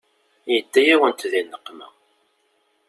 Yedda-yawent di nneqma.